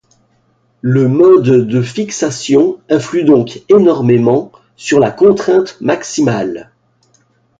Le mode de fixation influe donc énormément sur la contrainte maximale.